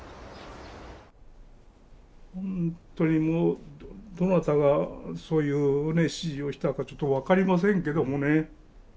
本当にもうどなたがそういうね指示をしたかちょっと分かりませんけどもね。